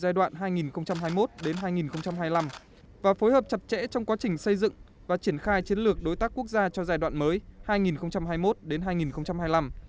cộng đồng quốc tế trong quá trình xây dựng và triển khai chiến lược đối tác quốc gia cho giai đoạn mới hai nghìn hai mươi một hai nghìn hai mươi năm